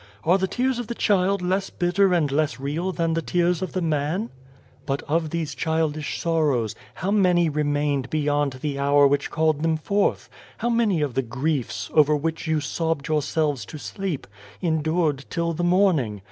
Are the tears of the child less bitter and less real than the tears of the man ?" But of these childish sorrows, how many remained beyond the hour which called them forth ? how many of the griefs, over which you sobbed yourselves to sleep, endured till the morning?